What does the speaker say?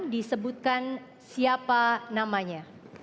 disebutkan siapa namanya